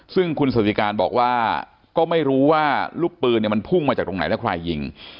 ซึ่งคุณสถิการบอกว่าก็ไม่รู้ว่าลูกปืนมันพุ่งมาจากตรงไหนแล้วใครยิง